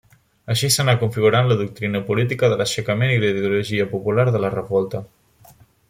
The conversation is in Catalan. Així s'anà configurant la doctrina política de l'aixecament i la ideologia popular de la revolta.